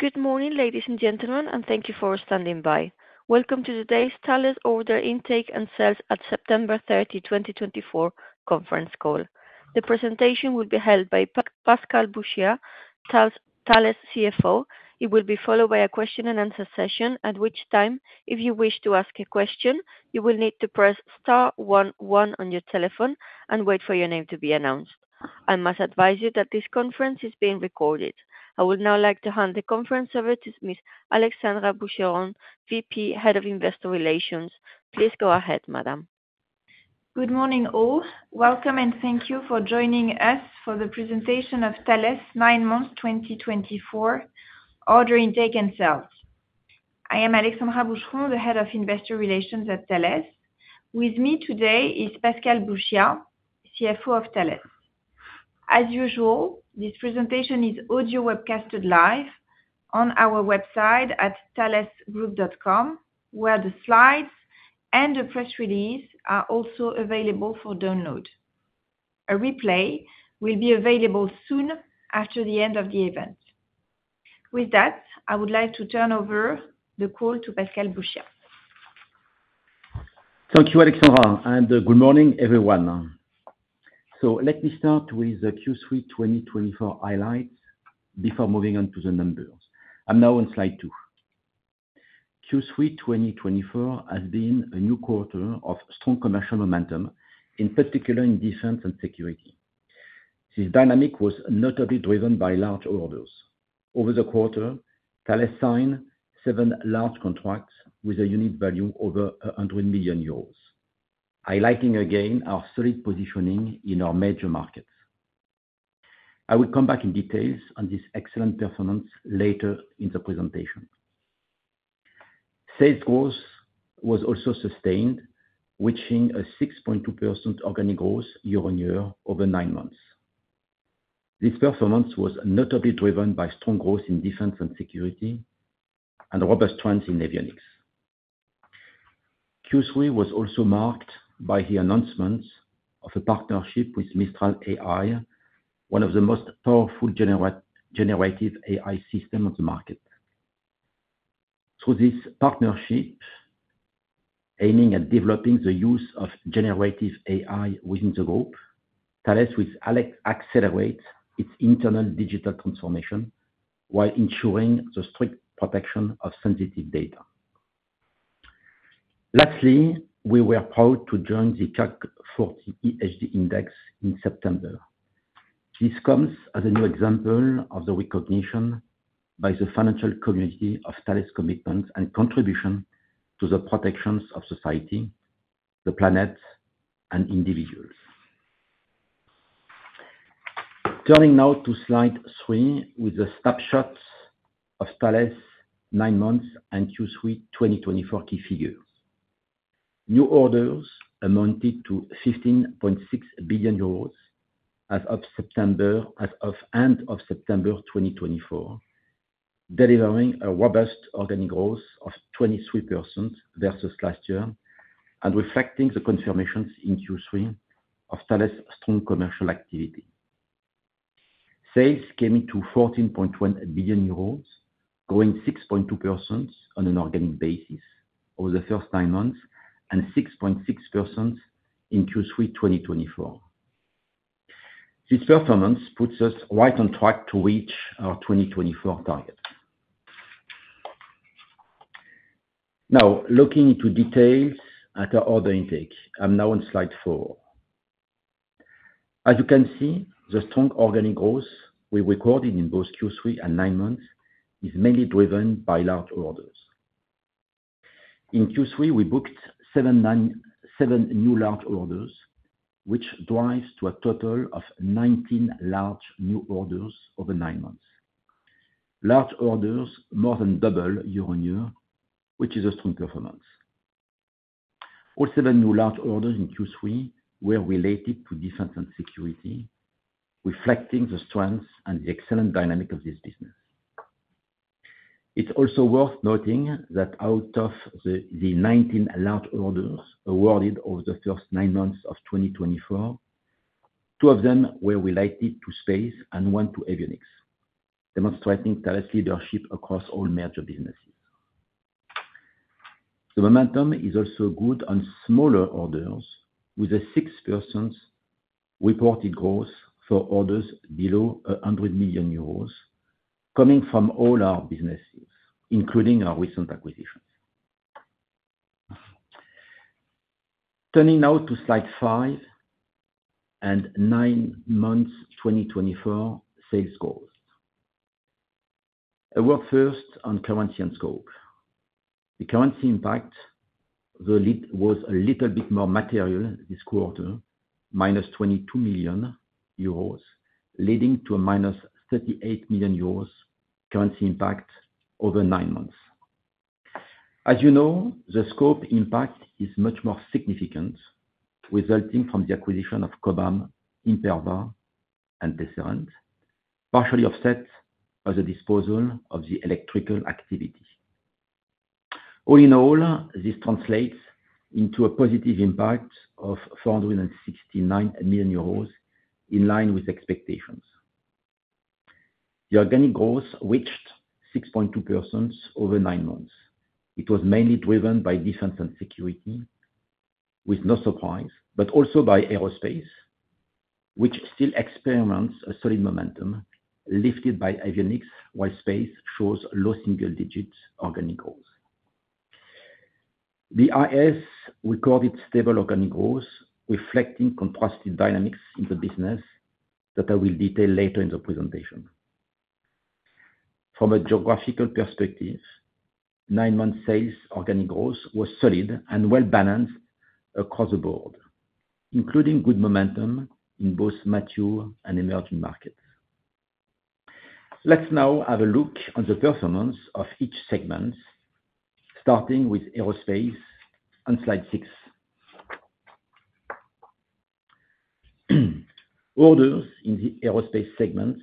Good morning, ladies and gentlemen, and thank you for standing by. Welcome to today's Thales Order Intake and Sales at September thirty, 2024 conference call. The presentation will be held by Pascal Bouchiat, Thales CFO. It will be followed by a question and answer session, at which time, if you wish to ask a question, you will need to press star one one on your telephone and wait for your name to be announced. I must advise you that this conference is being recorded. I would now like to hand the conference over to Ms. Alexandra Boucheron, VP, Head of Investor Relations. Please go ahead, madam. Good morning, all. Welcome, and thank you for joining us for the presentation of Thales' nine months 2024 order intake and sales. I am Alexandra Boucheron, the head of Investor Relations at Thales. With me today is Pascal Bouchiat, CFO of Thales. As usual, this presentation is audio webcasted live on our website at thalesgroup.com, where the slides and the press release are also available for download. A replay will be available soon after the end of the event. With that, I would like to turn over the call to Pascal Bouchiat. Thank you, Alexandra, and good morning, everyone. Let me start with the Q3 2024 highlights before moving on to the numbers. I'm now on slide two. Q3 2024 has been a new quarter of strong commercial momentum, in particular in defense and security. This dynamic was notably driven by large orders. Over the quarter, Thales signed seven large contracts with a cumulative value over 100 million euros, highlighting again our solid positioning in our major markets. I will come back in detail on this excellent performance later in the presentation. Sales growth was also sustained, reaching a 6.2% organic growth year-on-year over nine months. This performance was notably driven by strong growth in defense and security and robust trends in avionics. Q3 was also marked by the announcement of a partnership with Mistral AI, one of the most powerful generative AI system on the market. Through this partnership, aiming at developing the use of generative AI within the group, Thales will accelerate its internal digital transformation while ensuring the strict protection of sensitive data. Lastly, we were proud to join the CAC 40 ESG Index in September. This comes as a new example of the recognition by the financial community of Thales' commitment and contribution to the protections of society, the planet, and individuals. Turning now to slide three with the snapshots of Thales' nine months and Q3 2024 key figures. New orders amounted to 15.6 billion euros as of end of September 2024, delivering a robust organic growth of 23% versus last year and reflecting the confirmations in Q3 of Thales' strong commercial activity. Sales came into 14.1 billion euros, growing 6.2% on an organic basis over the first nine months, and 6.6% in Q3 2024. This performance puts us right on track to reach our 2024 target. Now, looking into details at our order intake. I'm now on slide four. As you can see, the strong organic growth we recorded in both Q3 and nine months is mainly driven by large orders. In Q3, we booked seven new large orders, which drives to a total of nineteen large new orders over nine months. Large orders more than double year-on-year, which is a strong performance. All seven new large orders in Q3 were related to Defense and Security, reflecting the strength and the excellent dynamic of this business. It's also worth noting that out of the nineteen large orders awarded over the first nine months of 2024, two of them were related to space and one to avionics, demonstrating Thales leadership across all major businesses. The momentum is also good on smaller orders, with a 6% reported growth for orders below 100 million euros coming from all our businesses, including our recent acquisitions. Turning now to slide five and nine months 2024 sales. I'll work first on currency and scope. The currency impact was a little bit more material this quarter, -22 million euros, leading to a -38 million euros currency impact over nine months. As you know, the scope impact is much more significant, resulting from the acquisition of Cobham, Imperva, and Tesserent, partially offset by the disposal of the electrical activity. All in all, this translates into a positive impact of 469 million euros, in line with expectations. The organic growth reached 6.2% over nine months. It was mainly driven by defense and security, with no surprise, but also by aerospace, which still experiments a solid momentum lifted by avionics, while space shows low single digits organic growth. D&S recorded stable organic growth, reflecting contrasting dynamics in the business that I will detail later in the presentation. From a geographical perspective, nine-month sales organic growth was solid and well-balanced across the board, including good momentum in both mature and emerging markets. Let's now have a look on the performance of each segment, starting with aerospace on slide six. Orders in the aerospace segment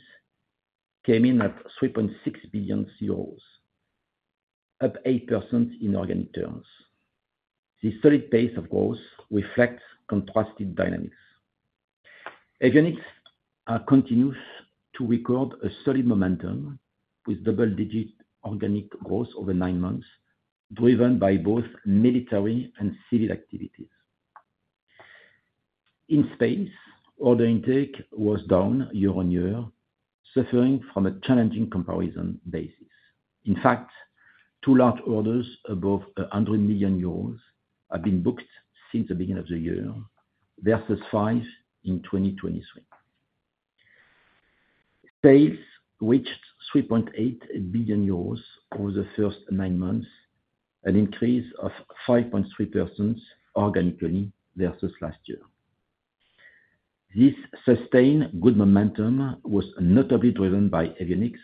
came in at 3.6 billion euros, up 8% in organic terms. This solid pace of growth reflects contrasting dynamics. Avionics continues to record a steady momentum with double-digit organic growth over nine months, driven by both military and civil activities. In space, order intake was down year-on-year, suffering from a challenging comparison basis. In fact, two large orders above 100 million euros have been booked since the beginning of the year, versus five in 2023. Sales reached 3.8 billion euros over the first nine months, an increase of 5.3% organically versus last year. This sustained good momentum was notably driven by avionics,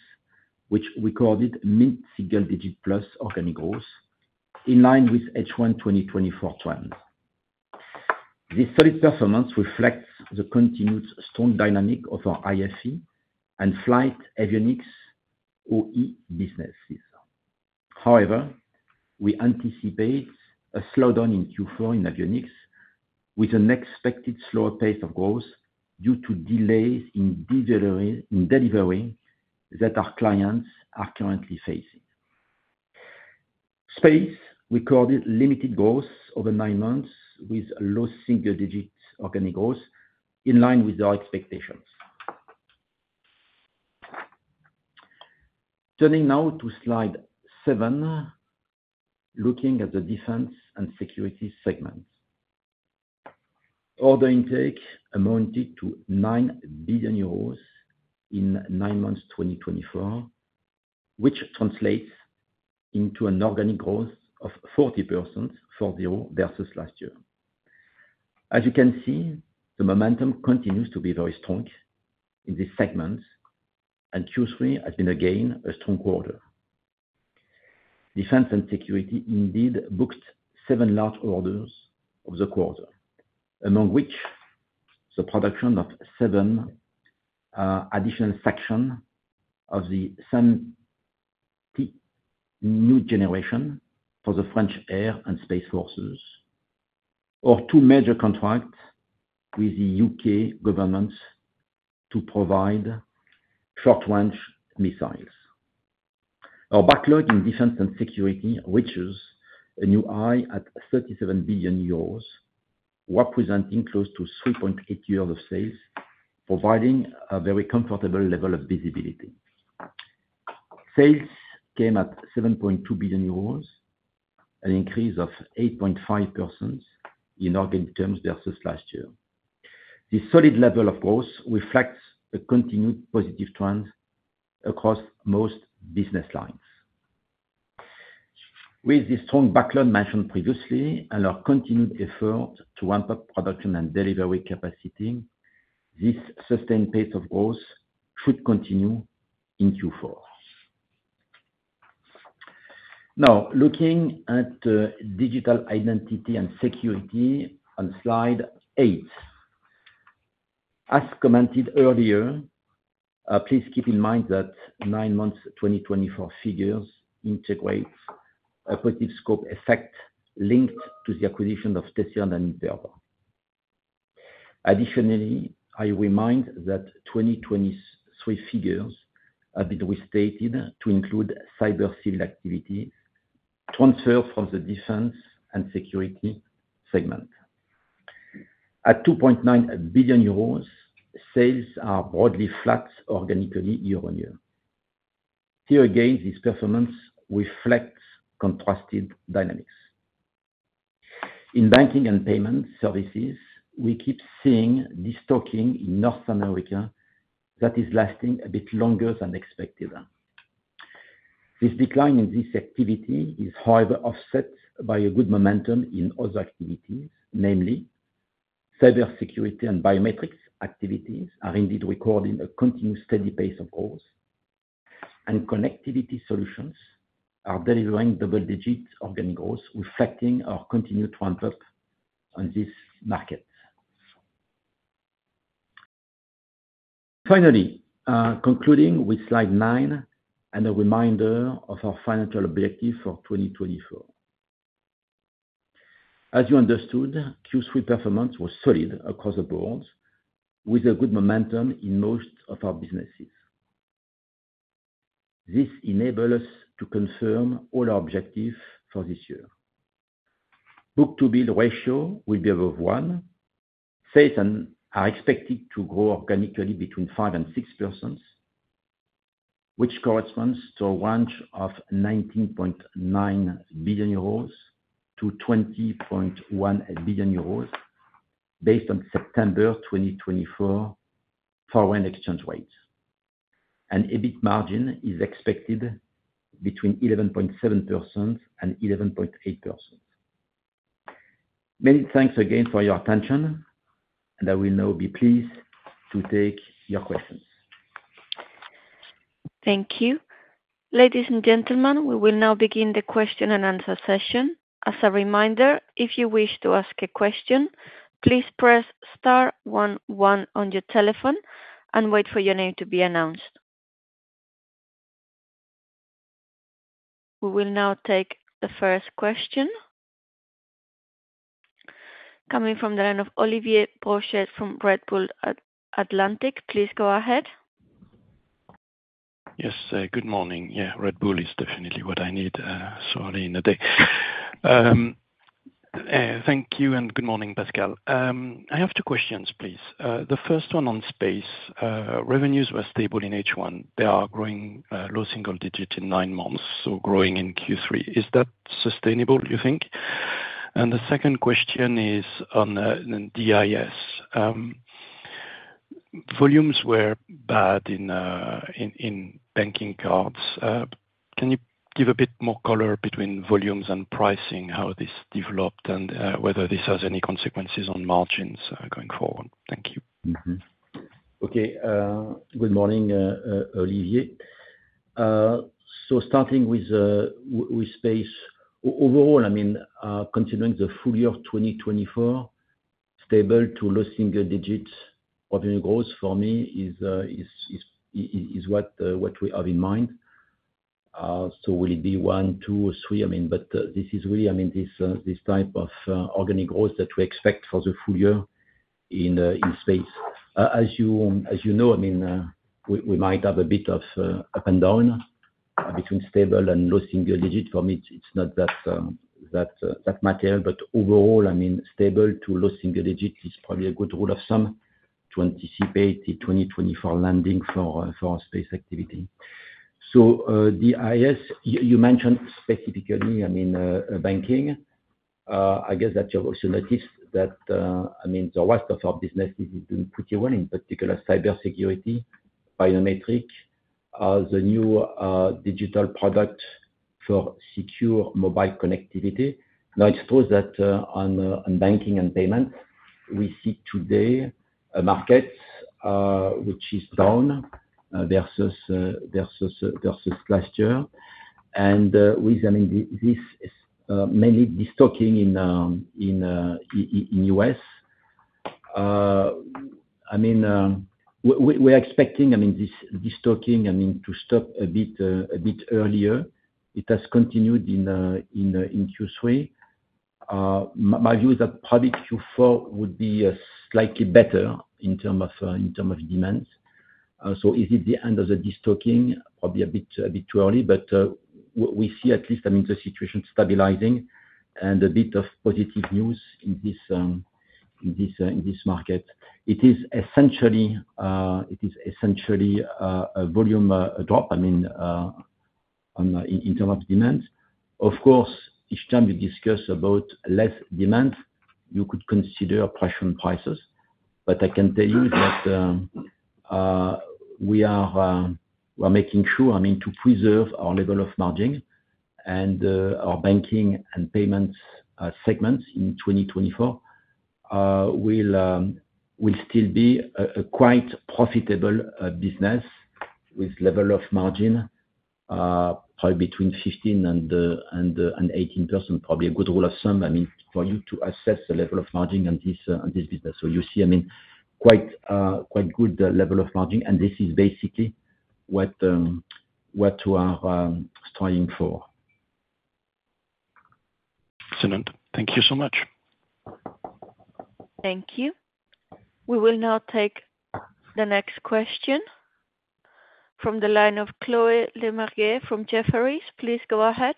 which recorded mid-single digit plus organic growth, in line with H1 2024 trends. This solid performance reflects the continued strong dynamic of our IFE and flight avionics OE businesses. However, we anticipate a slowdown in Q4 in avionics, with an expected slower pace of growth due to delays in delivery that our clients are currently facing. Space recorded limited growth over nine months, with low single digits organic growth in line with our expectations. Turning now to slide seven, looking at the defense and security segment. Order intake amounted to 9 billion euros in nine months, 2024, which translates into an organic growth of 40% for the year versus last year. As you can see, the momentum continues to be very strong in this segment, and Q3 has been, again, a strong quarter. Defense and Security indeed booked seven large orders over the quarter, among which the production of seven additional section of the SAMP New Generation for the French Air and Space Forces, or two major contracts with the U.K. government to provide short-range missiles. Our backlog in defense and security reaches a new high at 37 billion euros, representing close to 3.8 years of sales, providing a very comfortable level of visibility. Sales came at 7.2 billion euros, an increase of 8.5% in organic terms versus last year. This solid level of growth reflects a continued positive trend across most business lines. With the strong backlog mentioned previously and our continued effort to ramp up production and delivery capacity, this sustained pace of growth should continue in Q4. Now, looking at digital identity and security on Slide 8. As commented earlier, please keep in mind that nine months 2024 figures integrate operative scope effect linked to the acquisition of Tesserent and Imperva. Additionally, I remind that 2023 figures have been restated to include cyber & civil activities transfer from the defense and security segment. At 2.9 billion euros, sales are broadly flat, organically year-on-year. Here again, this performance reflects contrasted dynamics. In banking and payment services, we keep seeing this destocking in North America that is lasting a bit longer than expected. This decline in this activity is however offset by a good momentum in other activities, namely cybersecurity and biometrics activities are indeed recording a continued steady pace of growth, and connectivity solutions are delivering double-digit organic growth, reflecting our continued ramp up on this market. Finally, concluding with slide nine and a reminder of our financial objective for 2024. As you understood, Q3 performance was solid across the board, with a good momentum in most of our businesses. This enable us to confirm all our objectives for this year. Book-to-bill ratio will be above one. Sales are expected to grow organically between 5% and 6%, which corresponds to a range of 19.9 billion euros to 20.1 billion euros based on September 2024 foreign exchange rates. An EBIT margin is expected between 11.7% and 11.8%. Many thanks again for your attention, and I will now be pleased to take your questions. Thank you. Ladies and gentlemen, we will now begin the question and answer session. As a reminder, if you wish to ask a question, please press star one one on your telephone and wait for your name to be announced. We will now take the first question. Coming from the line of Olivier Brochet from Redburn Atlantic. Please go ahead. Yes, good morning. Yeah, Red Bull is definitely what I need, so early in the day. Thank you, and good morning, Pascal. I have two questions, please. The first one on space. Revenues were stable in H1. They are growing, low single digits in nine months, so growing in Q3. Is that sustainable, do you think? And the second question is on DIS. Volumes were bad in banking cards. Can you give a bit more color between volumes and pricing, how this developed and whether this has any consequences on margins, going forward? Thank you. Okay, good morning, Olivier. So starting with space, overall, I mean, considering the full year of 2024, stable to low single digits organic growth for me is what we have in mind. So will it be one, two, or three? I mean, but this is really, I mean, this type of organic growth that we expect for the full year in space. As you know, I mean, we might have a bit of up and down between stable and low single digits. For me, it's not that material, but overall, I mean, stable to low single digits is probably a good rule of thumb to anticipate the 2024 landing for our space activity. So, DIS, you mentioned specifically, I mean, banking. I guess that you've also noticed that, I mean, the rest of our business is doing pretty well, in particular cybersecurity, biometrics, the new digital product for secure mobile connectivity. Now, it's true that on banking and payment, we see today a market which is down versus last year. And with, I mean, this is mainly destocking in U.S. I mean, we're expecting, I mean, this destocking, I mean, to stop a bit, a bit earlier. It has continued in Q3. My view is that probably Q4 would be slightly better in terms of demands. So is it the end of the destocking? Probably a bit, a bit too early, but we see at least, I mean, the situation stabilizing and a bit of positive news in this market. It is essentially a volume drop, I mean, in terms of demands. Of course, each time you discuss about less demand, you could consider a pressure on prices, but I can tell you that we are, we're making sure, I mean, to preserve our level of margin and our banking and payments segments in 2024 will still be a quite profitable business with level of margin probably between 15% and 18%. Probably a good rule of thumb, I mean, for you to assess the level of margin on this business. So you see, I mean, quite good level of margin, and this is basically what we are striving for. Excellent. Thank you so much. Thank you. We will now take the next question from the line of Chloé Lemarié from Jefferies. Please go ahead.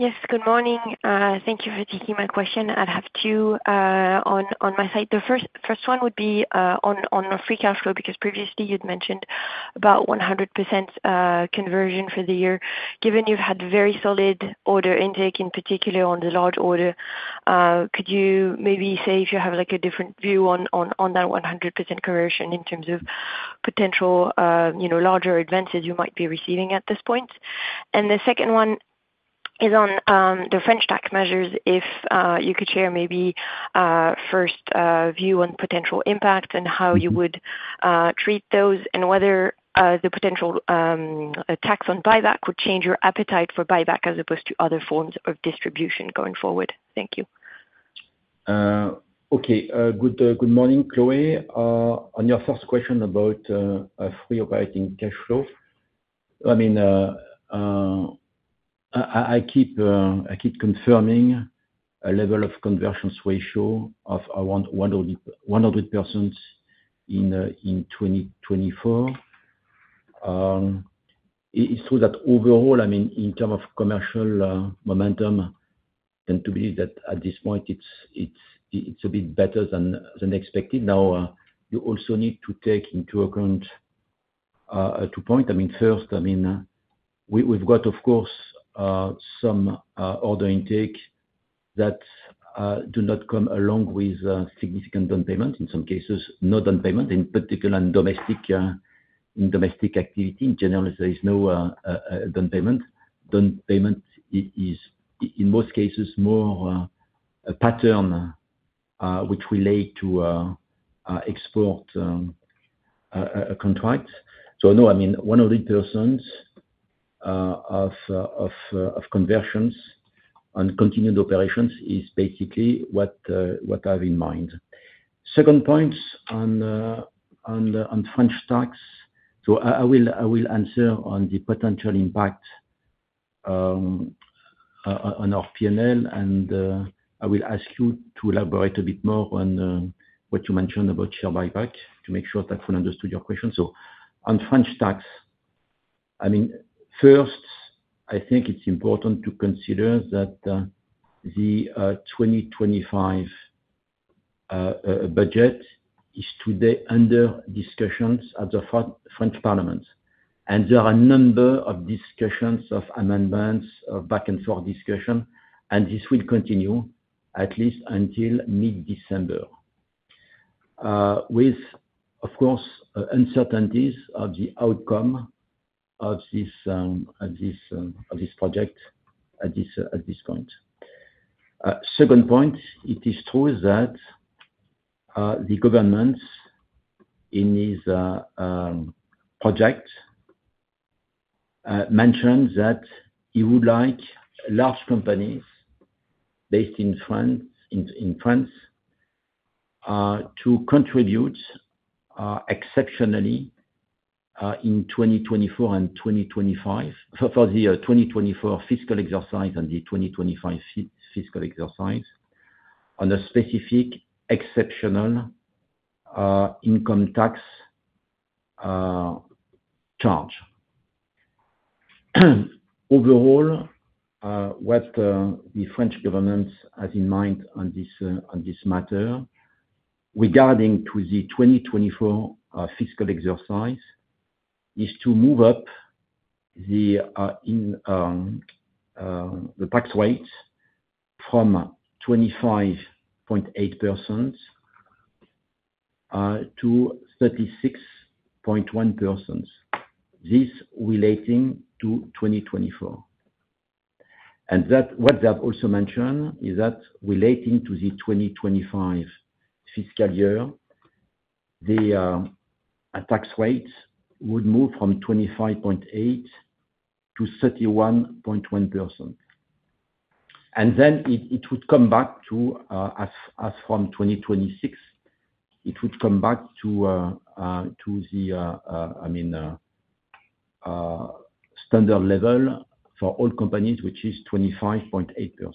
Yes, good morning. Thank you for taking my question. I'd have two, on my side. The first one would be on the free cash flow, because previously you'd mentioned about 100% conversion for the year. Given you've had very solid order intake, in particular on the large order, could you maybe say if you have, like, a different view on that 100% conversion in terms of potential, you know, larger advances you might be receiving at this point? And the second one is on the French tax measures. If you could share maybe first view on potential impacts and how you would treat those, and whether the potential tax on buyback would change your appetite for buyback as opposed to other forms of distribution going forward. Thank you. Okay, good morning, Chloé. On your first question about a free operating cash flow, I mean, I keep confirming a level of conversions ratio of around, 100% in 2024. It's true that overall, I mean, in term of commercial momentum, I tend to believe that at this point, it's a bit better than expected. Now, you also need to take into account two points. I mean, first, I mean, we've got, of course, some order intake that do not come along with significant down payment, in some cases, no down payment, in particular, in domestic activity. In general, there is no down payment. Down payment is, in most cases, more a pattern, which relate to export contract. So, no, I mean, one of the versions of conversions on continued operations is basically what I have in mind. Second point on the French tax. So I will answer on the potential impact on our PNL, and I will ask you to elaborate a bit more on what you mentioned about share buyback, to make sure that we understood your question. So on French tax, I mean, first, I think it's important to consider that the 2025 budget is today under discussions at the French Parliament. There are a number of discussions of amendments, of back-and-forth discussion, and this will continue at least until mid-December, with, of course, uncertainties of the outcome of this project at this point. Second point, it is true that the government in this project mentioned that he would like large companies based in France to contribute exceptionally in 2024 and 2025, for the 2024 fiscal exercise and the 2025 fiscal exercise, on a specific exceptional income tax charge. Overall, what the French government has in mind on this matter regarding the 2024 fiscal year is to move up the tax rates from 25.8% to 36.1%, this relating to 2024. And that, what I've also mentioned is that relating to the 2025 fiscal year, the tax rate would move from 25.8-31.1%. And then it would come back to, as from 2026, it would come back to the standard level for all companies, which is 25.8%.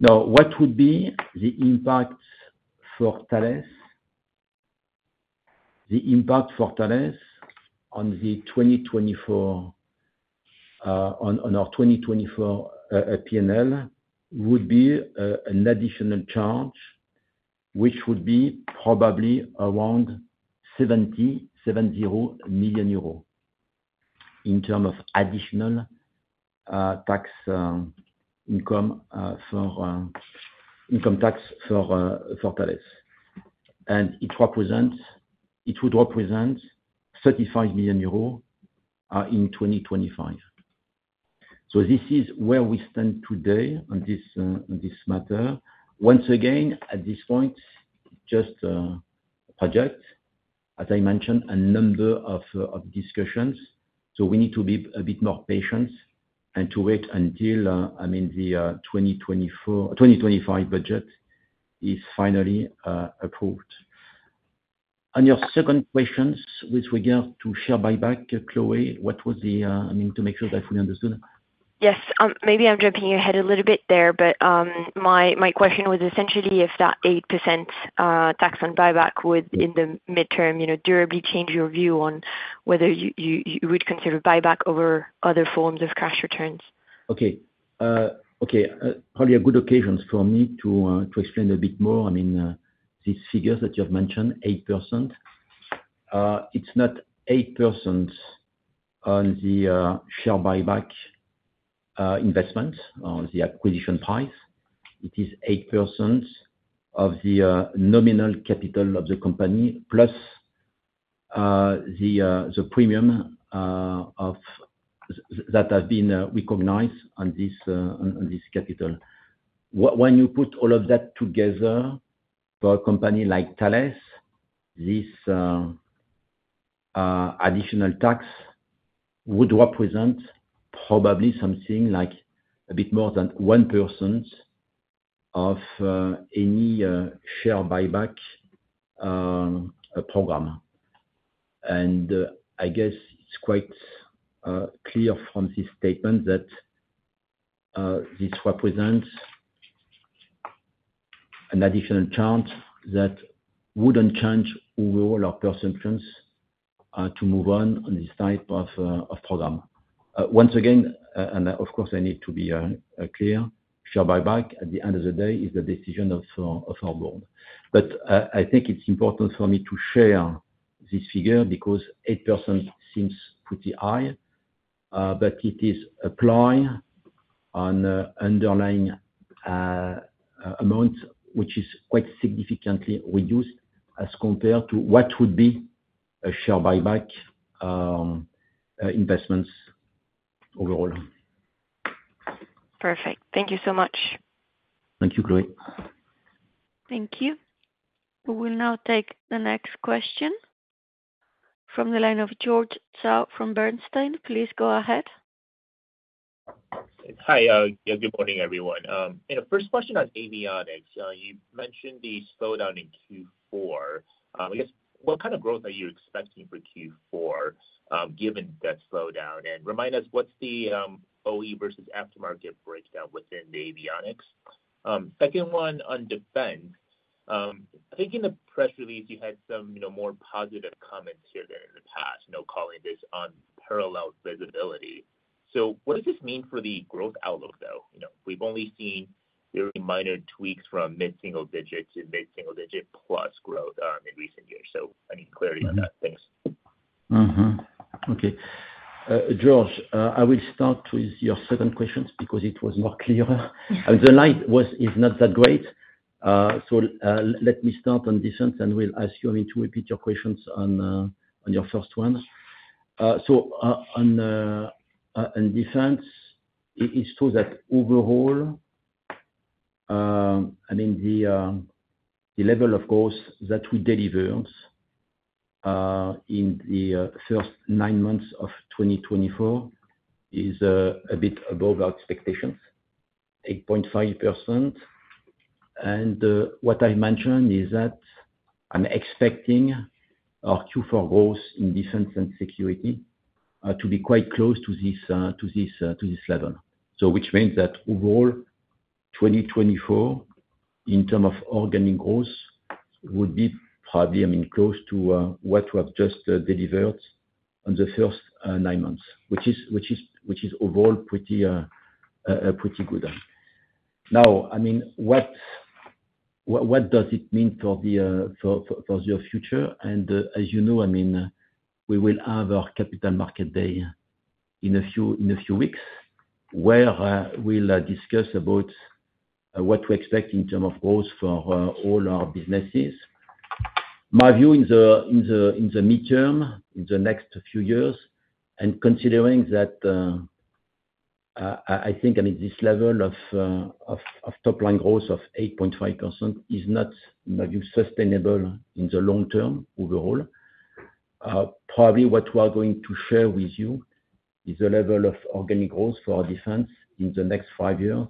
Now, what would be the impact for Thales? The impact for Thales on the 2024, on our 2024, PNL, would be an additional charge, which would be probably around 70 million euros in term of additional tax, income, for income tax for Thales. It would represent 35 million euros in 2025. So this is where we stand today on this, on this matter. Once again, at this point, just a projection, as I mentioned, a number of discussions, so we need to be a bit more patient and to wait until, I mean, the 2024-2025 budget is finally approved. On your second questions, which regard to share buyback, Chloé, what was the, I mean, to make sure that we understood? Yes, maybe I'm jumping ahead a little bit there, but my question was essentially if that 8% tax on buyback would, in the midterm, you know, durably change your view on whether you would consider buyback over other forms of cash returns? Okay, probably a good occasion for me to explain a bit more. I mean, the figures that you have mentioned, 8%, it's not 8% on the share buyback investment on the acquisition price. It is 8% of the nominal capital of the company, plus the premium that have been recognized on this capital. When you put all of that together for a company like Thales, this additional tax would represent probably something like a bit more than 1% of any share buyback program. And I guess it's quite clear from this statement that this represents an additional charge that wouldn't change overall our perceptions to move on this type of program. Once again, and of course, I need to be clear. Share buyback, at the end of the day, is the decision of our board, but I think it's important for me to share this figure because 8% seems pretty high, but it is applying on a underlying amount, which is quite significantly reduced as compared to what would be a share buyback, investments overall. Perfect. Thank you so much. Thank you, Chloé. Thank you. We will now take the next question from the line of George Zhao from Bernstein. Please go ahead. Hi, yeah, good morning, everyone. You know, first question on avionics. You mentioned the slowdown in Q4. I guess, what kind of growth are you expecting for Q4, given that slowdown? And remind us, what's the OE versus aftermarket breakdown within the avionics? Second one on defense. I think in the press release, you had some, you know, more positive comments here than in the past, you know, calling this unparalleled visibility. So what does this mean for the growth outlook, though? You know, we've only seen very minor tweaks from mid-single digit to mid-single digit plus growth, in recent years. So I need clarity on that. Thanks. Okay. George, I will start with your second question because it was more clear. And the light is not that great, so let me start on this one, and we'll ask you to repeat your questions on your first one. So, on defense, it is true that overall, I mean, the level, of course, that we delivered in the first nine months of 2024 is a bit above our expectations, 8.5%. And what I mentioned is that I'm expecting our Q4 growth in defense and security to be quite close to this level. Which means that overall, 2024, in terms of organic growth, would be probably, I mean, close to what we have just delivered on the first nine months, which is overall pretty good. Now, I mean, what does it mean for the future? As you know, I mean, we will have our capital market day in a few weeks, where we'll discuss about what we expect in terms of growth for all our businesses. My view in the midterm, in the next few years, and considering that I think, I mean, this level of top-line growth of 8.5% is not, you know, sustainable in the long term, overall. Probably what we are going to share with you is a level of organic growth for our defense in the next five years.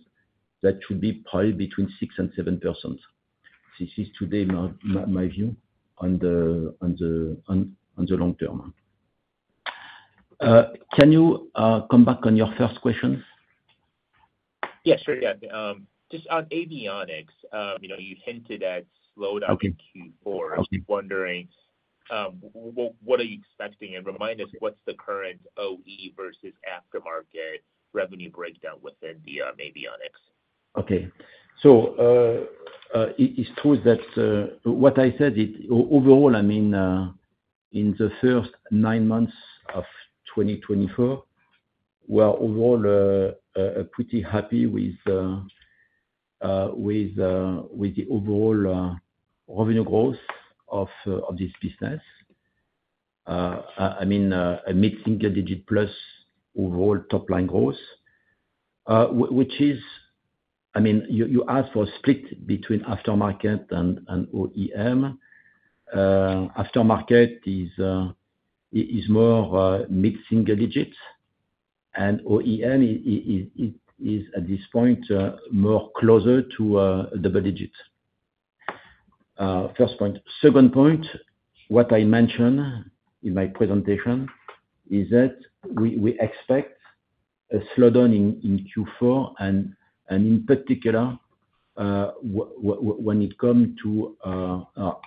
That should be probably between 6% and 7%. This is today my view on the long term. Can you come back on your first question? Yes, sure, yeah. Just on avionics, you know, you hinted at slowdown in Q4. I was just wondering, what are you expecting? And remind us, what's the current OE versus aftermarket revenue breakdown within the avionics? Okay. So, it is true that what I said, it overall, I mean, in the first nine months of 2024, we are overall pretty happy with the overall revenue growth of this business. I mean, a mid-single digit plus overall top line growth, which is. I mean, you asked for a split between aftermarket and OEM. Aftermarket is more mid-single digits, and OEM is at this point more closer to double digits. First point. Second point, what I mentioned in my presentation is that we expect a slowdown in Q4 and in particular when it come to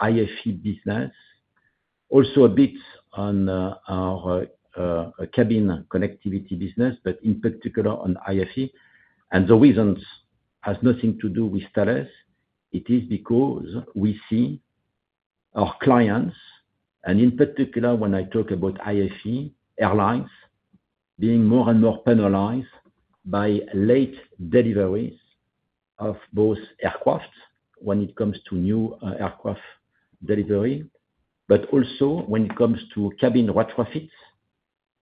IFE business. Also a bit on our cabin connectivity business, but in particular on IFE. The reasons has nothing to do with Thales. It is because we see our clients, and in particular, when I talk about IFE airlines, being more and more penalized by late deliveries of both aircraft, when it comes to new aircraft delivery, but also when it comes to cabin retrofits,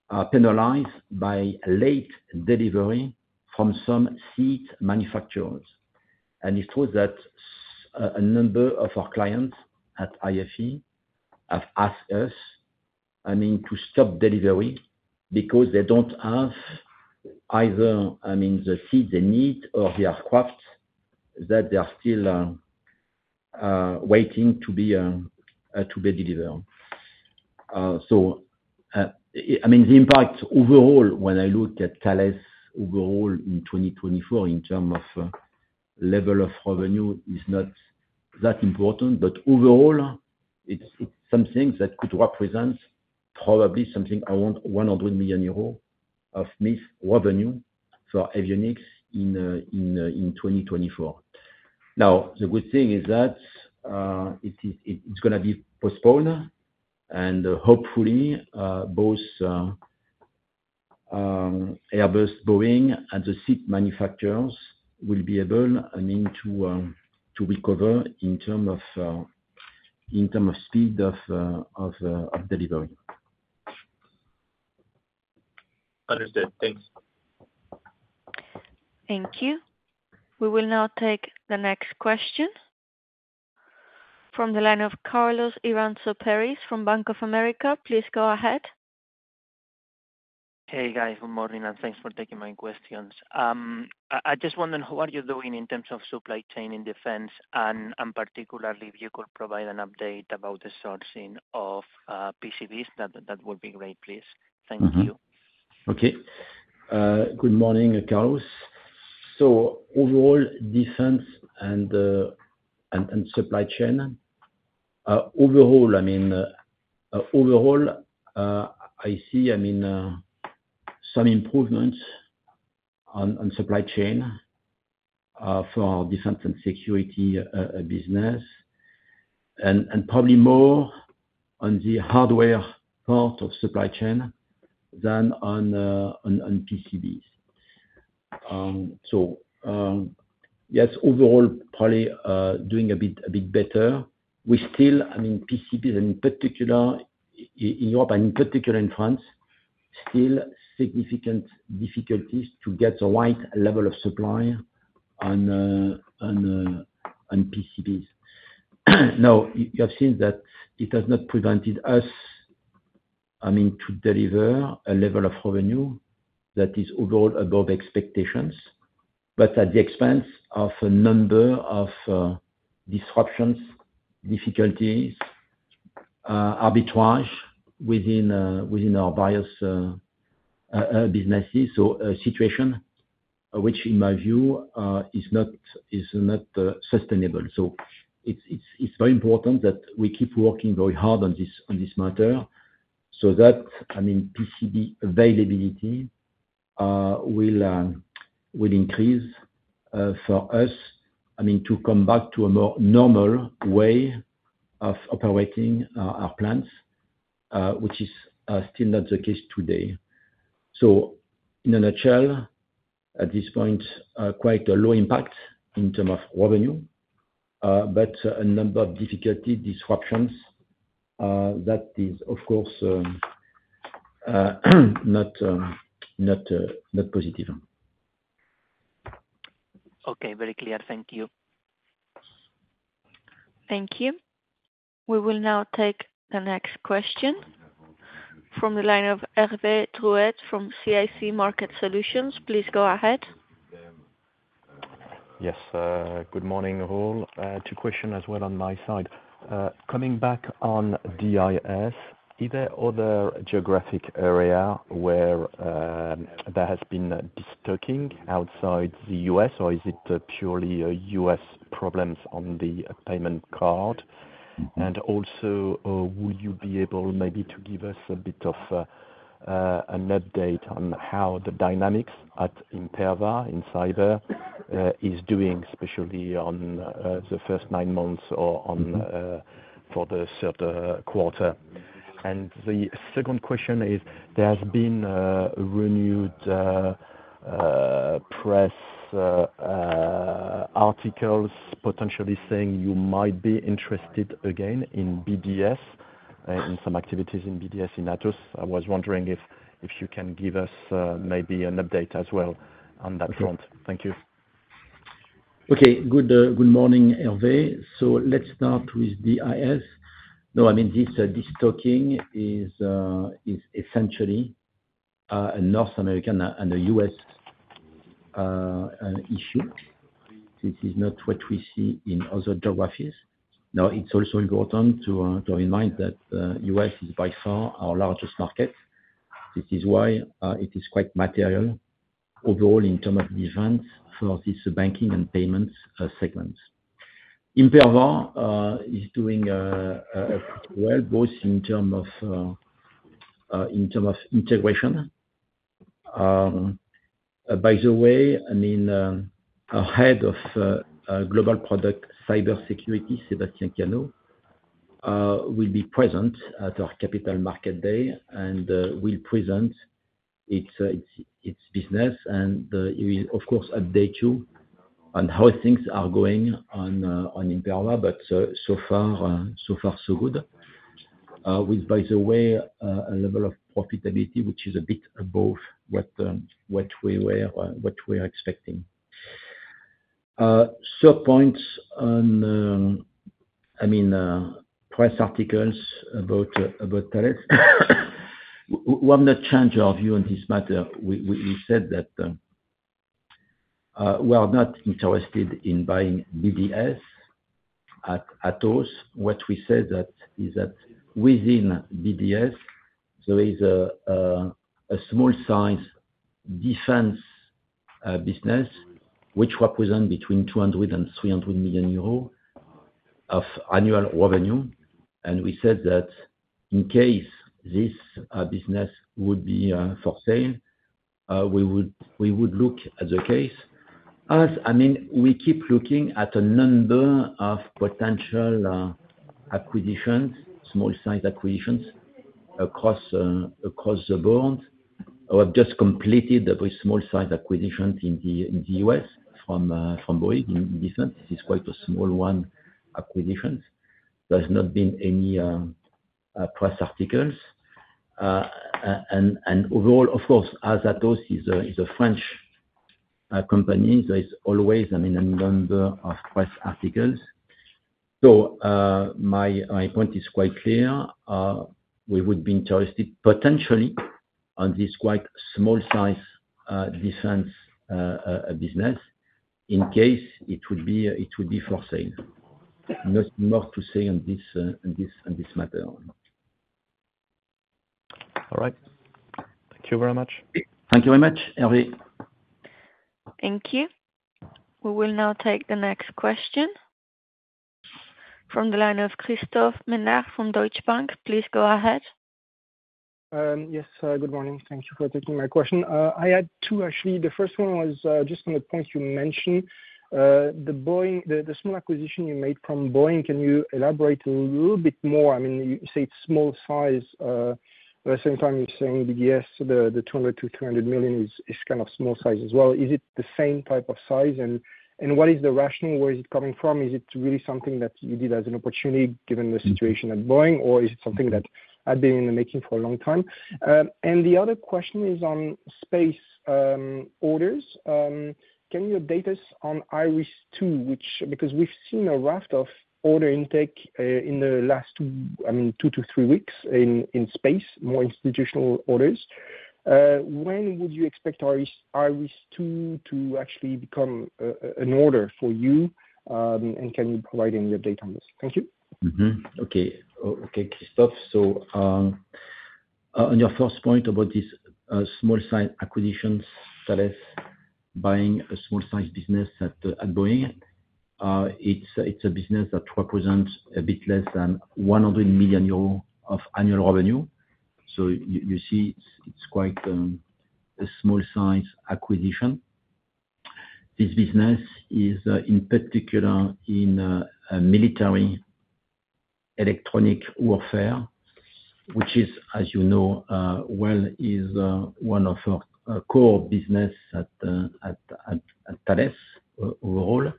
are penalized by late delivery from some seat manufacturers. It's true that a number of our clients at IFE have asked us, I mean, to stop delivery because they don't have either, I mean, the seat they need or the aircraft that they are still waiting to be delivered. I mean, the impact overall, when I look at Thales overall in 2024, in term of level of revenue, is not that important. But overall, it's something that could represent probably something around 100 million euros of missed revenue for avionics in 2024. Now, the good thing is that it's gonna be postponed, and hopefully both Airbus, Boeing, and the seat manufacturers will be able, I mean, to recover in terms of speed of delivery. Understood. Thanks. Thank you. We will now take the next question from the line of Carlos Iranzo Peris from Bank of America. Please go ahead. Hey, guys. Good morning, and thanks for taking my questions. I just wondered, how are you doing in terms of supply chain in defense and particularly if you could provide an update about the sourcing of PCBs, that would be great, please. Thank you. Okay. Good morning, Carlos. So overall, defense and supply chain overall, I mean, overall, I see, I mean, some improvements on supply chain for our defense and security business. And probably more on the hardware part of supply chain than on PCBs. So yes, overall, probably doing a bit better. We still I mean, PCBs, in particular, in Europe and in particular in France, still significant difficulties to get the right level of supply on PCBs. Now, you have seen that it has not prevented us, I mean, to deliver a level of revenue that is overall above expectations, but at the expense of a number of disruptions, difficulties, arbitrage within our various businesses. So a situation which, in my view, is not sustainable. So it's very important that we keep working very hard on this matter, so that, I mean, PCB availability will increase for us. I mean, to come back to a more normal way of operating our plants, which is still not the case today. So in a nutshell, at this point, quite a low impact in term of revenue, but a number of difficulty, disruptions, that is, of course, not positive. Okay. Very clear. Thank you. Thank you. We will now take the next question from the line of Hervé Drouet from CIC Market Solutions. Please go ahead. Yes. Good morning, all. Two question as well on my side. Coming back on DIS, is there other geographic area where there has been destocking outside the U.S., or is it purely U.S. problems on the payment card? And also, would you be able maybe to give us a bit of, an update on how the dynamics at Imperva, in cyber, is doing, especially on, the first nine months or on-... for the third quarter? And the second question is, there has been, renewed, press articles potentially saying you might be interested again in BDS, in some activities in BDS, in Atos. I was wondering if, if you can give us, maybe an update as well on that front. Thank you. Okay. Good morning, Hervé. So let's start with DIS. No, I mean, this destocking is essentially a North American and a U.S. issue. This is not what we see in other geographies. Now, it's also important to bear in mind that U.S. is by far our largest market. This is why it is quite material overall in term of defense for this banking and payments segment. Imperva is doing well, both in term of integration. By the way, I mean, our head of Global Product Cybersecurity, Sébastien Cano, will be present at our Capital Market Day, and will present it's business, and we will of course update you on how things are going on on Imperva. But so far so good. With, by the way, a level of profitability which is a bit above what we are expecting. So points on, I mean, press articles about Thales. We have not changed our view on this matter. We said that we are not interested in buying BDS at Atos. What we said is that within BDS, there is a small size defense business which represent between 200 and 300 million of annual revenue. And we said that in case this business would be for sale, we would look at the case. I mean, we keep looking at a number of potential acquisitions, small size acquisitions across the board. We have just completed a very small size acquisition in the U.S. from Boeing, in defense. It's quite a small one, acquisition. There's not been any press articles. And overall, of course, as Atos is a French company, there is always, I mean, a number of press articles. So my point is quite clear. We would be interested potentially on this quite small size defense business, in case it would be for sale. Nothing more to say on this matter. All right. Thank you very much. Thank you very much, Henry. Thank you. We will now take the next question from the line of Christophe Menard from Deutsche Bank. Please go ahead. Yes, good morning. Thank you for taking my question. I had two, actually. The first one was, just on the point you mentioned. The Boeing, the small acquisition you made from Boeing, can you elaborate a little bit more? I mean, you say it's small size, but at the same time you're saying the 200-300 million is kind of small size as well. Is it the same type of size? And what is the rationale, where is it coming from? Is it really something that you did as an opportunity, given the situation at Boeing? Or is it something that had been in the making for a long time? And the other question is on space, orders. Can you update us on IRIS, which because we've seen a raft of order intake in the last two, I mean, two to three weeks in space, more institutional orders. When would you expect IRIS to actually become an order for you? And can you provide any update on this? Thank you. Okay, Christophe. So, on your first point about this small size acquisitions, Thales buying a small size business at Boeing, it's a business that represents a bit less than 100 million euros of annual revenue. So you see, it's quite a small size acquisition. This business is in particular in military electronic warfare, which is, as you know, well, one of our core business at Thales overall.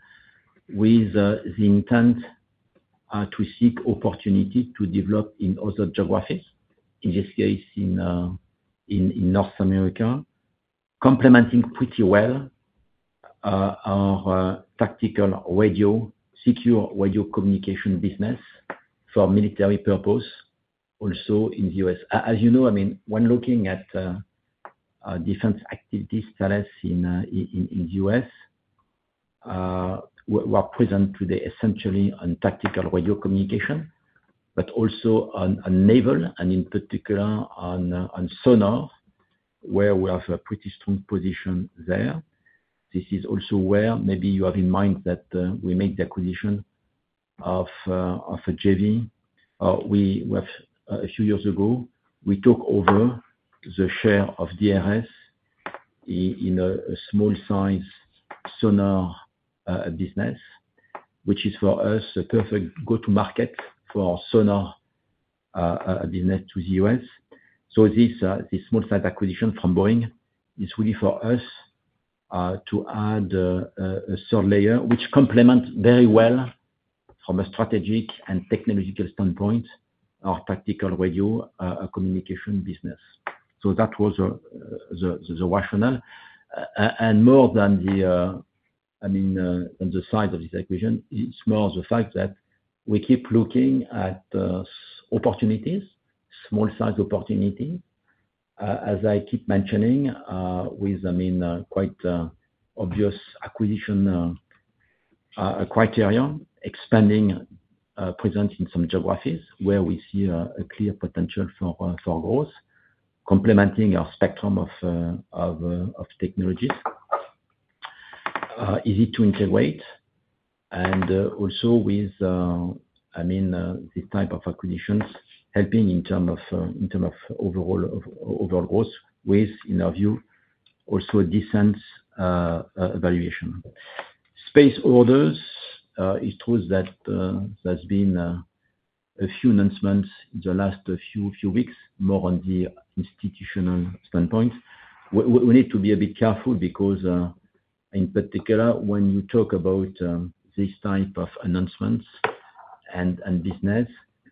With the intent to seek opportunity to develop in other geographies, in this case, in North America, complementing pretty well our tactical radio, secure radio communication business for military purpose, also in the U.S. As you know, I mean, when looking at different activities, Thales in the U.S., we are present today essentially on tactical radio communication, but also on naval and in particular on sonar, where we have a pretty strong position there. This is also where maybe you have in mind that we made the acquisition of a JV. A few years ago, we took over the share of DIS in a small size sonar business, which is for us a perfect go-to market for sonar business to the U.S. So this small size acquisition from Boeing is really for us to add a third layer, which complements very well from a strategic and technological standpoint, our tactical radio communication business. So that was the rationale. And more than, I mean, the size of this acquisition, it's more the fact that we keep looking at opportunities, small size opportunity, as I keep mentioning, with, I mean, quite obvious acquisition criteria, expanding presence in some geographies where we see a clear potential for growth. Complementing our spectrum of technologies, easy to integrate, and also with, I mean, the type of acquisitions helping in term of overall growth with, in our view, also a decent valuation. Space orders, it's true that there's been a few announcements in the last few weeks, more on the institutional standpoint. We need to be a bit careful because, in particular, when you talk about this type of announcements and business,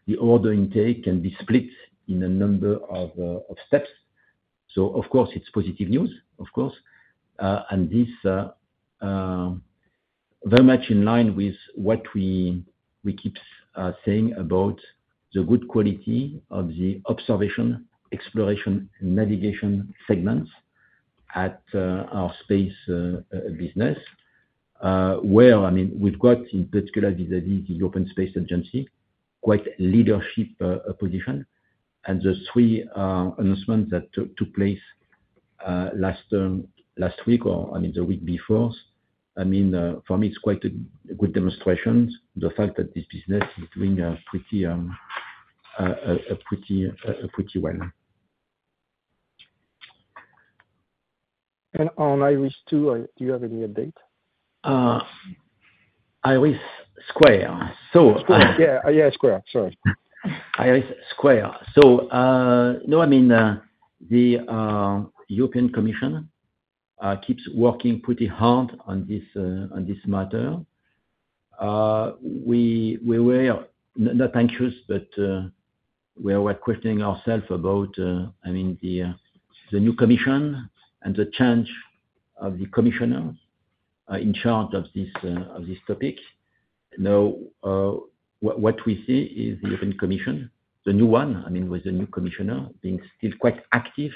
the order intake can be split in a number of steps. So of course, it's positive news, of course, and this very much in line with what we keep saying about the good quality of the observation, exploration, and navigation segments at our space business. Where, I mean, we've got, in particular, the Open Space Agency quite leadership position. And the three announcements that took place last week, or, I mean, the week before, I mean, for me, it's quite a good demonstrations, the fact that this business is doing pretty well. On IRIS², do you have any update? IRIS², so no, I mean, the European Commission keeps working pretty hard on this matter. We were not anxious, but we are questioning ourselves about, I mean, the new commission and the change of the commissioner in charge of this topic. Now, what we see is the European Commission, the new one, I mean, with the new commissioner, being still quite active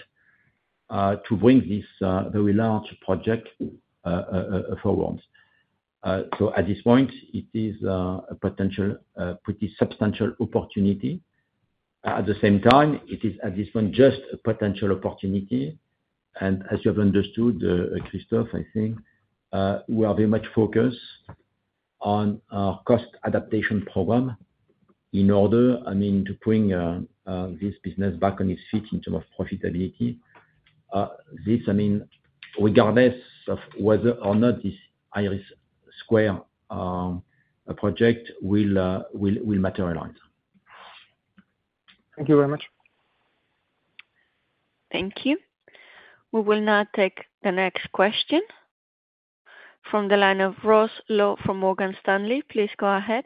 to bring this very large project forwards. So at this point, it is a potential pretty substantial opportunity. At the same time, it is, at this point, just a potential opportunity, and as you have understood, Christophe, I think, we are very much focused on our cost adaptation program in order, I mean, to bring, this business back on its feet in terms of profitability. This, I mean, regardless of whether or not this IRIS² project will materialize. Thank you very much. Thank you. We will now take the next question from the line of Ross Law from Morgan Stanley. Please go ahead.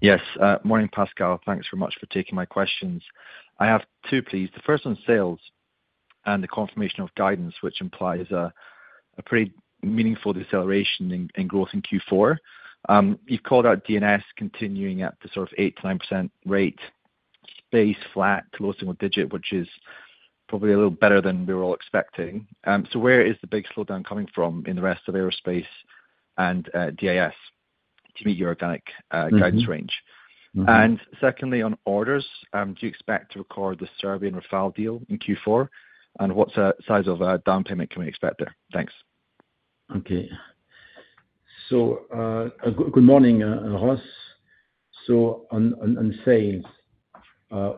Yes. Morning, Pascal. Thanks very much for taking my questions. I have two, please. The first on sales and the confirmation of guidance, which implies a pretty meaningful deceleration in growth in Q4. You've called out DIS continuing at the sort of 8-9% rate, space flat, closing with digit, which is probably a little better than we were all expecting. So where is the big slowdown coming from in the rest of aerospace and DIS to meet your organic,... guidance range? And secondly, on orders, do you expect to record the Serbian Rafale deal in Q4? And what size of a down payment can we expect there? Thanks. Okay. So, good morning, Ross. So on sales,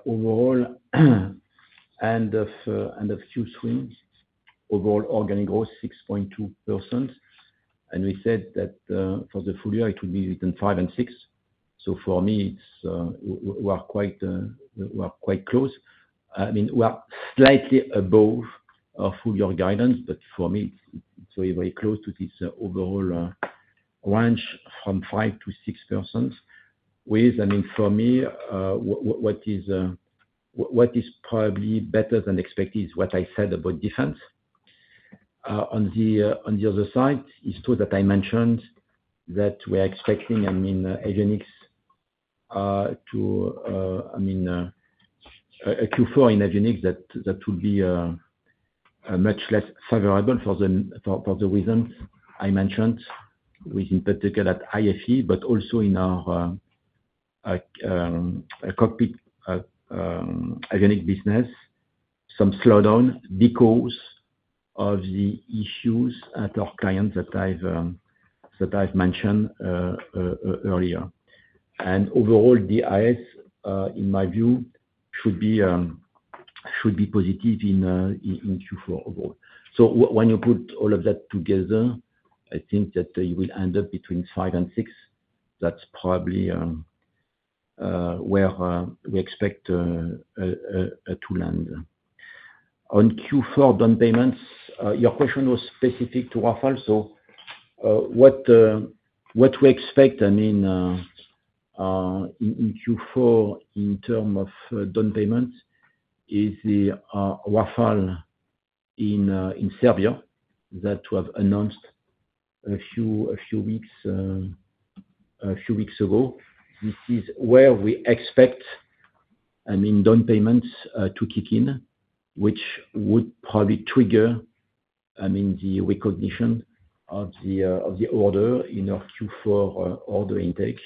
overall, and a few swings, overall organic growth 6.2%, and we said that, for the full year, it would be between 5 and 6%. So for me, it's, we're quite close. I mean, we're slightly above full year guidance, but for me, it's very, very close to this overall range from 5-6%. With, I mean, for me, what is probably better than expected is what I said about defense. On the other side, it's true that I mentioned that we are expecting, I mean, avionics to, I mean, Q4 in avionics, that will be a much less favorable for the reasons I mentioned, with in particular at IFE, but also in our cockpit avionics business. Some slowdown because of the issues at our client that I've mentioned earlier. And overall, DIS, in my view, should be positive in Q4 overall. So when you put all of that together, I think that you will end up between five and six. That's probably where we expect to land. On Q4 down payments, your question was specific to Rafale, so, what we expect, I mean, in Q4, in term of down payment, is the Rafale in Serbia, that we have announced a few weeks ago. This is where we expect, I mean, down payments to kick in, which would probably trigger, I mean, the recognition of the order in our Q4 order intake.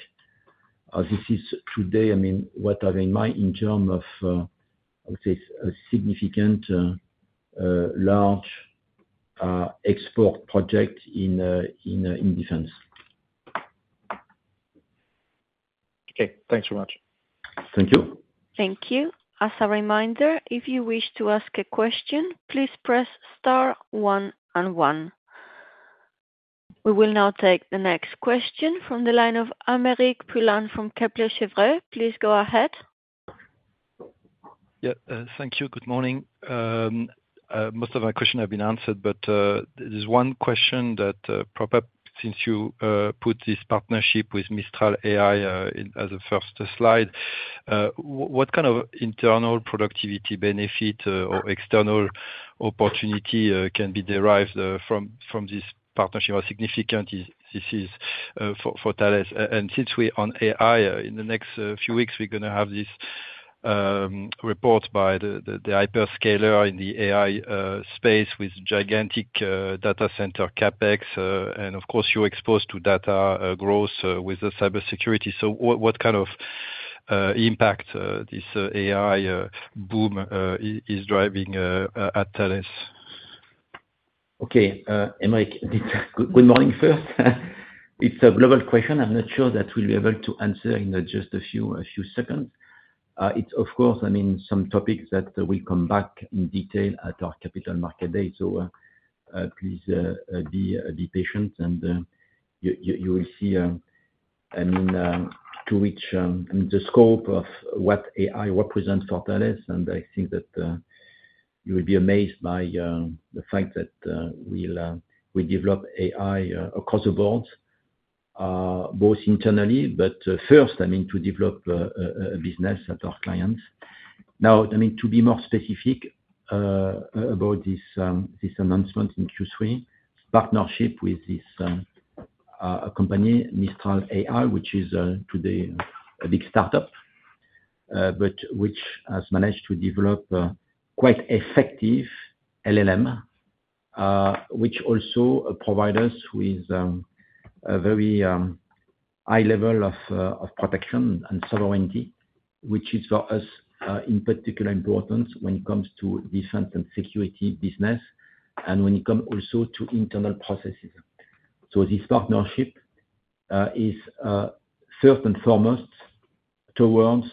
This is today, I mean, what I have in mind in term of, let's say, a significant large export project in defense. Okay. Thanks so much. Thank you. Thank you. As a reminder, if you wish to ask a question, please press star one and one. We will now take the next question from the line of Aymeric Poulain from Kepler Cheuvreux. Please go ahead. Yeah, thank you. Good morning. Most of my question have been answered, but there's one question that pop up since you put this partnership with Mistral AI in as a first slide. What kind of internal productivity benefit or external opportunity can be derived from from this partnership, or significant is this is for for Thales? And since we're on AI, in the next few weeks, we're gonna have this report by the the hyperscaler in the AI space with gigantic data center CapEx. And of course, you're exposed to data growth with the cybersecurity. So what kind of impact this AI boom is driving at Thales? Okay. Aymeric, good morning, first. It's a global question I'm not sure that we'll be able to answer in just a few seconds. It's of course, I mean, some topics that we come back in detail at our capital market day, so please be patient, and you will see, I mean, to which the scope of what AI represents for Thales, and I think that you will be amazed by the fact that we'll develop AI across the board both internally, but first, I mean, to develop a business at our clients. Now, I mean, to be more specific, about this announcement in Q3, this partnership with this company, Mistral AI, which is today a big startup, but which has managed to develop quite effective LLM, which also provide us with a very high level of protection and sovereignty, which is for us in particular importance when it comes to defense and security business and when you come also to internal processes. So this partnership is first and foremost towards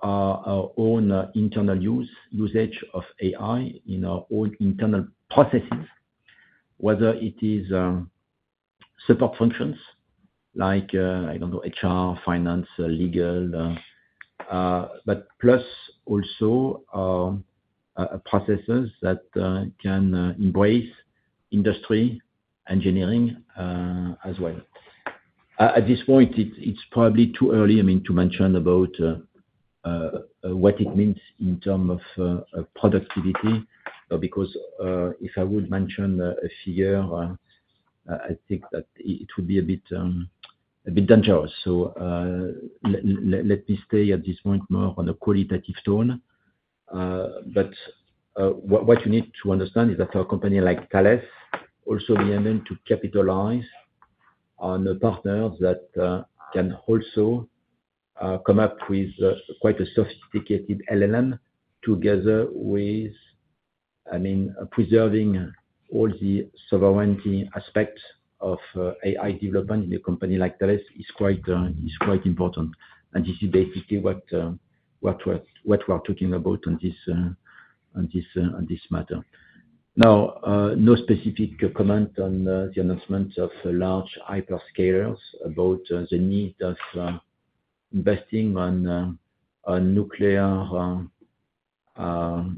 our own internal usage of AI in our own internal processes, whether it is support functions like I don't know, HR, finance, legal, but plus also processes that can embrace industry, engineering, as well. At this point, it's probably too early, I mean, to mention about what it means in term of productivity, because if I would mention a figure, I think that it would be a bit dangerous. So, let me stay at this point more on a qualitative tone. But what you need to understand is that a company like Thales also be aiming to capitalize on a partner that can also come up with quite a sophisticated LLM, together with... I mean, preserving all the sovereignty aspects of AI development in a company like Thales is quite important, and this is basically what we're talking about on this matter. Now, no specific comment on the announcement of large hyperscalers about the need of investing on nuclear power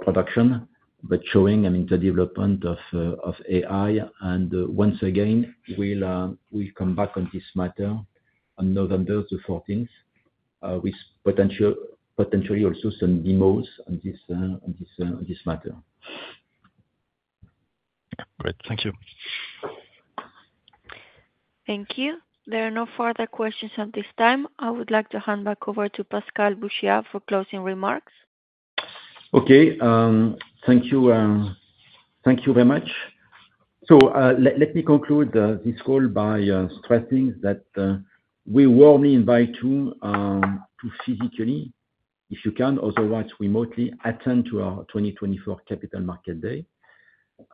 production, but showing, I mean, the development of AI. And once again, we'll come back on this matter on November the fourteenth, with potentially also some demos on this matter. Great. Thank you. Thank you. There are no further questions at this time. I would like to hand back over to Pascal Bouchiat for closing remarks. Okay, thank you, thank you very much. So, let me conclude this call by stressing that we warmly invite you to physically, if you can, otherwise remotely, attend to our 2024 capital market day,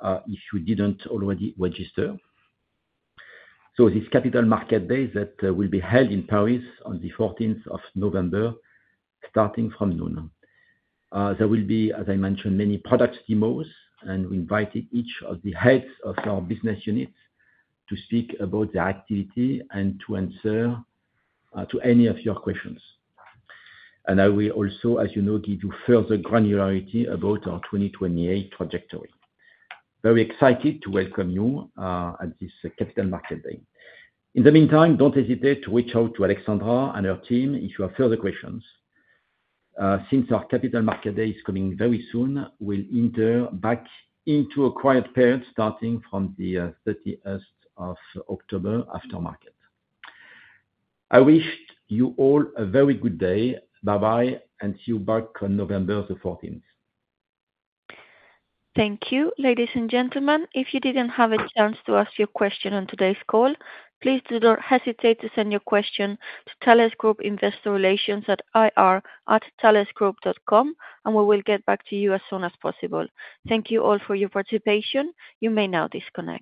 if you didn't already register. So this capital market day that will be held in Paris on the 14th November, starting from noon. There will be, as I mentioned, many product demos, and we invited each of the heads of our business units to speak about their activity and to answer to any of your questions. And I will also, as you know, give you further granularity about our 2028 trajectory. Very excited to welcome you at this Capital Market Day. In the meantime, don't hesitate to reach out to Alexandra and her team if you have further questions. Since our Capital Market Day is coming very soon, we'll enter back into a quiet period starting from the thirtieth of October after market. I wish you all a very good day. Bye-bye, and see you back on 14th November. Thank you. Ladies and gentlemen, if you didn't have a chance to ask your question on today's call, please do not hesitate to send your question to Thales Group Investor Relations at ir@thalesgroup.com, and we will get back to you as soon as possible. Thank you all for your participation. You may now disconnect.